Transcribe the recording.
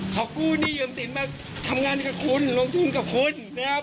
ขอบคุณที่ยืมติดมาทำงานกับคุณลงทุนกับคุณนะครับ